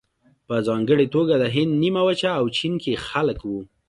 په ځانګړې توګه د هند نیمه وچه او چین کې خلک وو.